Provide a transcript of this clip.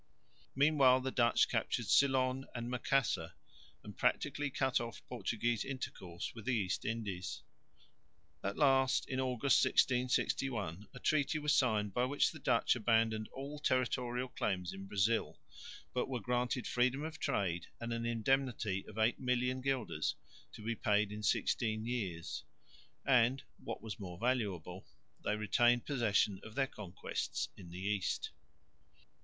Meanwhile the Dutch captured Ceylon and Macassar and practically cut off Portuguese intercourse with the East Indies. At last in August, 1661, a treaty was signed by which the Dutch abandoned all territorial claims in Brazil, but were granted freedom of trade and an indemnity of 8,000,000 fl. to be paid in sixteen years, and, what was more valuable, they retained possession of their conquests in the East.